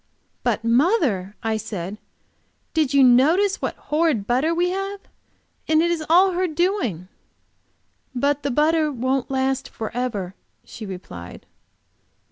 "But, mother," I said, "did you notice what horrid butter we have? And it is all her doing." "But the butter won't last forever," she replied.